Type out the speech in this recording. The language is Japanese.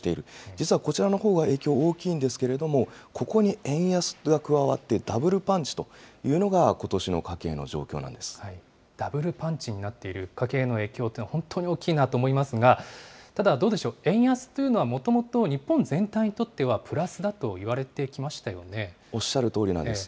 実はこちらのほうが影響は大きいんですけれども、ここに円安が加わって、ダブルパンチというのが、ダブルパンチになっている、家計の影響というのは、本当に大きなと思いますが、ただ、どうでしょう、円安というのはもともと、日本全体にとっては、プラスだとおっしゃるとおりなんです。